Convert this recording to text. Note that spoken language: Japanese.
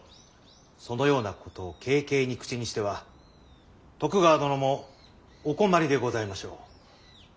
そのようなことを軽々に口にしては徳川殿もお困りでございましょう。